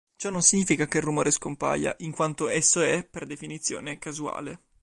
Ciò non significa che il rumore scompaia, in quanto esso è, per definizione, casuale.